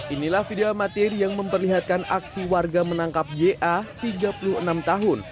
inilah video amatir yang memperlihatkan aksi warga menangkap ya tiga puluh enam tahun